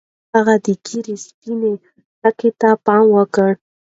هغه د ږیرې سپینو ډکو ته پام وکړ.